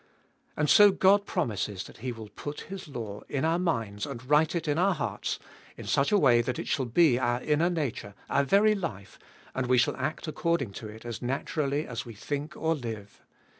And so God promises that He will put His law in our minds and write it in our hearts, in such a way that it shall be our inner nature, our very life, and we shall act according to it as naturally as we think or live.